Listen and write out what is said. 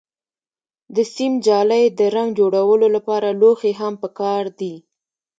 د سیم جالۍ، د رنګ جوړولو لپاره لوښي هم پکار دي.